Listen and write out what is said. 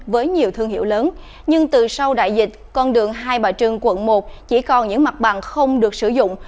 với nhiều thương hiệu lớn nhưng từ sau đại dịch con đường hai bà trưng quận một chỉ còn những mặt bằng không được sử dụng